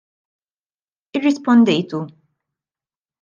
Irrispondejtu.